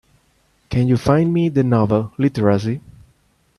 Can you find me the novel, Literacy?